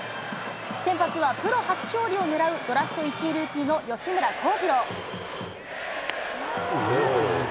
先発はプロ初勝利を狙うドラフト１位ルーキーの吉村貢司郎。